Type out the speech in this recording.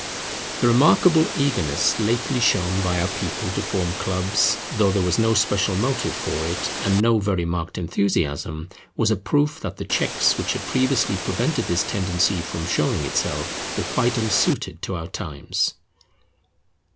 The remarkable eagerness lately shown by our people to form clubs, though there was no special motive for it, and no very marked enthusiasm, was a proof that the checks which had previously prevented this tendency from showing itself were quite unsuited to our times.